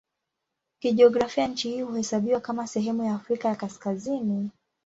Kijiografia nchi hii huhesabiwa kama sehemu ya Afrika ya Kaskazini.